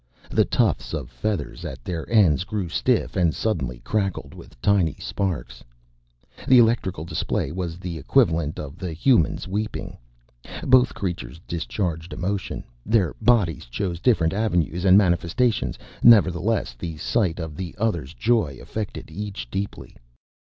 The tufts of feathers at their ends grew stiff and suddenly crackled with tiny sparks. The electrical display was his equivalent of the human's weeping. Both creatures discharged emotion; their bodies chose different avenues and manifestations. Nevertheless, the sight of the other's joy affected each deeply.